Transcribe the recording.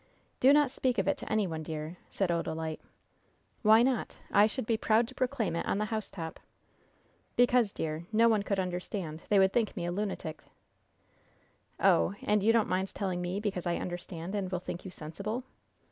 "Do not speak of it to any one, dear," said Odalite. "Why not? I should be proud to proclaim it on the housetop." "Because, dear, no one could understand. They would think me a lunatic." "Oh! And you don't mind telling me because I understand and will think you sensible?